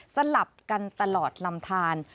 สลับกันตลอดลำทาน